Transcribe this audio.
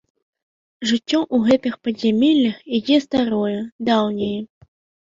Жыццё ў гэтых падзямеллях ідзе старое, даўняе.